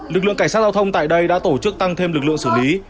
lực lượng cảnh sát giao thông tại đây đã tổ chức tăng thêm lực lượng xử lý